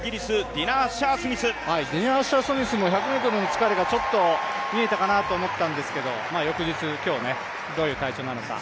ディナ・アッシャー・スミスも１００ｍの疲れが見えたかなと思ったんですけど、翌日、今日どういう体調なのか。